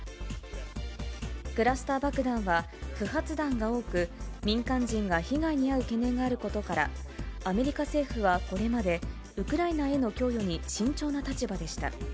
クラスター爆弾は不発弾が多く、民間人が被害に遭う懸念があることから、アメリカ政府はこれまで、ウクライナへの供与に慎重な立場でした。